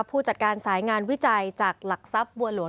ผู้จัดการสายงานวิจัยจากหลักทรัพย์บัวหลวง